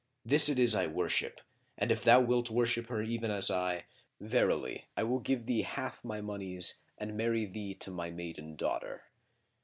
This it is I worship, and if thou wilt worship her even as I, verily I will give thee half my monies and marry thee to my maiden daughter."